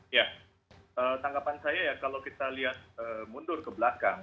ya tanggapan saya ya kalau kita lihat mundur ke belakang